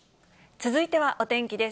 続いてはお天気です。